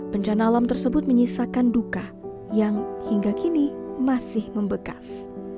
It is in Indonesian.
bencana alam tersebut menyisakan duka yang hingga kini masih membekas